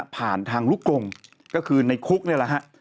ผ่านทางลูกกลงก็คือในคุกนี่แหละฮะ